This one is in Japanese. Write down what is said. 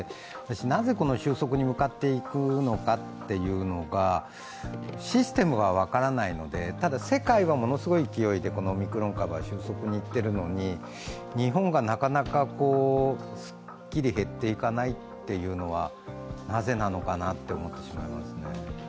なぜこの収束に向かっていくのかというシステムが分からないので、ただ世界はものすごい勢いでこのオミクロン株が収束にいっているのに、日本がなかなかすっきり減っていかないのはなぜなのかなと思ってしまいますね。